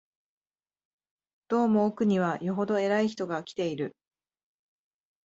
どうも奥には、よほど偉い人が来ている